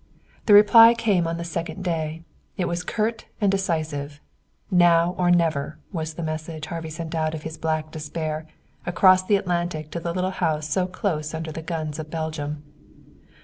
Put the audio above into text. The reply came on the second day. It was curt and decisive. "Now or never," was the message Harvey sent out of his black despair, across the Atlantic to the little house so close under the guns of Belgium.